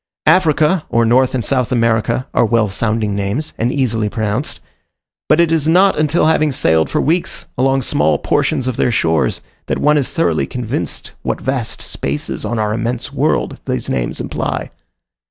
Africa, or North and South America, are well sounding names, and easily pronounced; but it is not until having sailed for weeks along small portions of their shores, that one is thoroughly convinced what vast spaces on our immense world these names imply.